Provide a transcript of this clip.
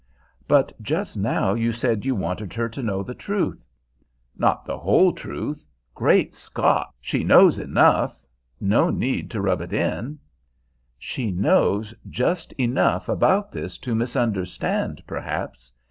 "But just now you said you wanted her to know the truth." "Not the whole truth. Great Scott! she knows enough. No need to rub it in." "She knows just enough about this to misunderstand, perhaps.